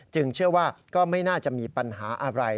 เชื่อว่าก็ไม่น่าจะมีปัญหาอะไร